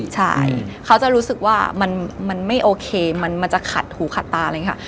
ใช่เขาจะรู้สึกว่ามันไม่โอเคมันจะขัดหูขัดตาเลยค่ะ